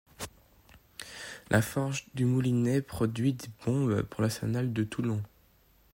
La forge du Moulinet produit des bombes pour l'arsenal de Toulon.